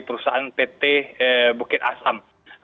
perusahaan pt bukit asam